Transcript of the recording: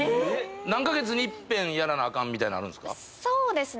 何カ月に一遍やらなあかんみたいなあるんですか？